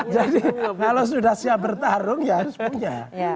jadi kalau sudah siap bertarung ya harus punya